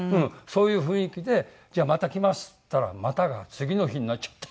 そういう雰囲気で「じゃあまた来ます」って言ったら「また」が次の日になっちゃった。